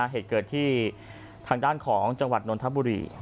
เหตุเกิดที่ทางด้านของจังหวัดนนทบุรี